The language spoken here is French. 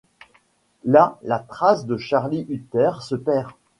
Là, la trace de Charlie Utter se perd.